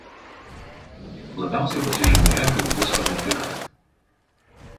Labiausiai pasižymėjo kaip disko metikas.